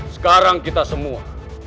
sekarang kita semua